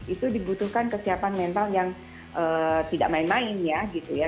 itu dibutuhkan kesiapan mental yang tidak main main ya